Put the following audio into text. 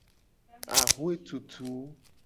Axwe tutu.